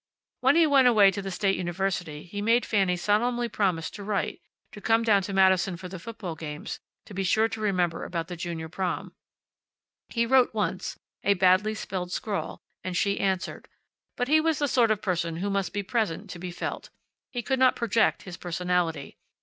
When he went away to the state university he made Fanny solemnly promise to write; to come down to Madison for the football games; to be sure to remember about the Junior prom. He wrote once a badly spelled scrawl and she answered. But he was the sort of person who must be present to be felt. He could not project his personality.